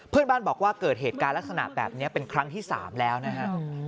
เพื่อนบ้านบอกว่าเกิดเหตุการณ์ลักษณะแบบนี้เป็นครั้งที่๓แล้วนะฮะ